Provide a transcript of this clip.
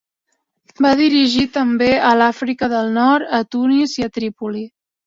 Va dirigir també a l'Àfrica del Nord, a Tunis i Trípoli.